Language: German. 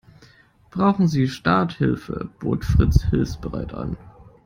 Brauchen Sie Starthilfe?, bot Fritz hilfsbereit an.